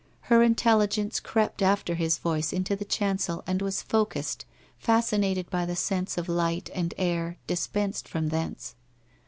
Her intelligence crept after his voice into the chancel and was focussed, fascinated by the sense of light and air dispensed from thence.